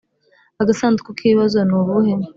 Agasanduku k ibibazo Ni ubuhe